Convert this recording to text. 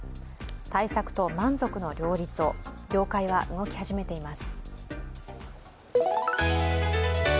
対策と満足の両立を、業界は動き始めています。